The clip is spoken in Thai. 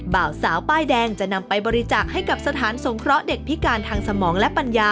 บ่าวสาวป้ายแดงจะนำไปบริจาคให้กับสถานสงเคราะห์เด็กพิการทางสมองและปัญญา